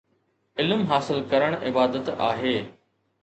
علم حاصل ڪرڻ عبادت آهي